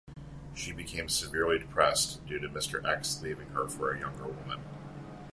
She becomes severely depressed, due to Mr. X leaving her for a younger woman.